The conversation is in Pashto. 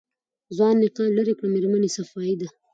ځوان نقاب لېرې کړ مېرمنې صفايي ده.